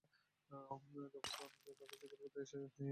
তখন অনেকে পাখি শিকার করতে এলে এয়ারগান নিয়ে আমার কাছে আসত।